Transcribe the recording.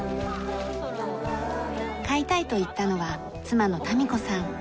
飼いたいと言ったのは妻の多民子さん。